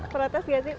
protes gak sih